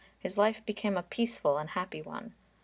His life became a peaceful and happy one.